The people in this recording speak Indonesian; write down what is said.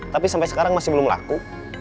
tapi sampai sekarang masih belum laku